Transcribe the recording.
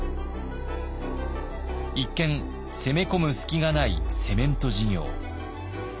一見攻め込む隙がないセメント事業。